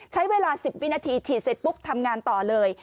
ใช้เวลา๑๐วินาทีฉีดเสร็จปุ๊บทำงานต่อเลย